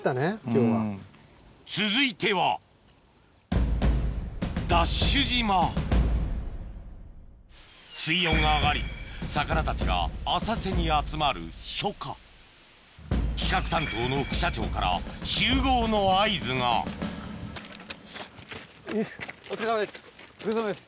続いてはＤＡＳＨ島水温が上がり魚たちが浅瀬に集まる初夏企画担当の副社長から集合の合図がお疲れさまです。